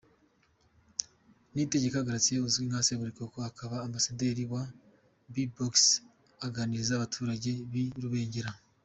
Niyitegeka Gratien uzwi nka Seburikoko akaba ambasaderi wa Bbox aganiriza abaturage b'i Rubengera.